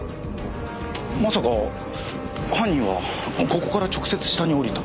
まさか犯人はここから直接下に下りた？